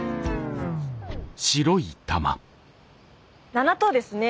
７等ですね。